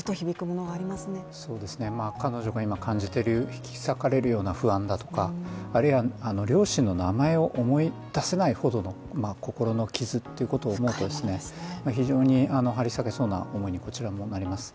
彼女が今感じている引き裂かれるような不安だとか引き裂かれる不安、両親の名前を思い出せないほどの心の傷ということを思うと、非常に張り裂けそうな思いにこちらもなります。